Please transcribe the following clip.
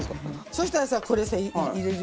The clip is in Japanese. そしたらこれさ入れる。